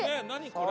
これ。